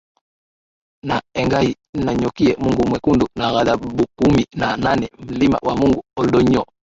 na Engai Nanyokie Mungu Mwekundu ana ghadhabukumi na nane Mlima wa Mungu Ol Doinyo